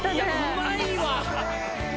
うまいわ！